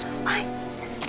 はい。